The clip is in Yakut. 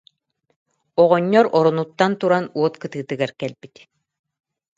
оҕонньор оронуттан туран уот кытыытыгар кэлбит